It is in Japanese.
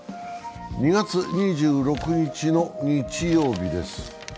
２月２６日の日曜日です。